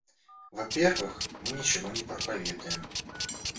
Во-первых, мы ничего не проповедуем!